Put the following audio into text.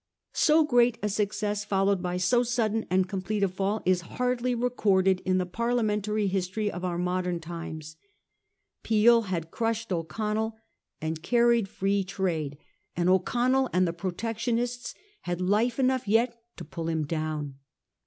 So great a success fol lowed by so sudden and complete a fall is hardly re corded in the Parliamentary history of our modern times. Peel had crushed O'Connell and carried Free 1840. PEEL'S RESIGNATION. 413 Trade, and O'Connell and the Protectionists had life enough yet to pull him down.